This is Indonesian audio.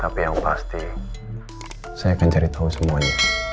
tapi yang pasti saya akan cari tahu semuanya